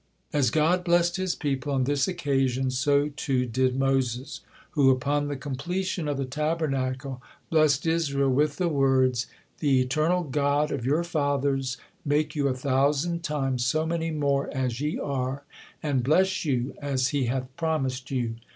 As God blessed His people on this occasion, so too did Moses, who upon the completion of the Tabernacle blessed Israel with the words: "The Eternal God of you fathers make you a thousand times so many more as ye are, and bless you, as He hath promised you!"